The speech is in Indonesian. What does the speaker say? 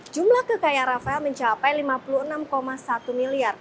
jumlah kekayaan rafael mencapai rp lima puluh enam seratus